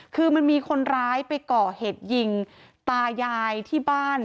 คือมันมีคนร้ายไปก่อเหตุยิงตายายที่บ้าน